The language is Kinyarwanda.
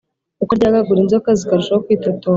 uko aryagagura inzoka zikarushaho kwitotomba,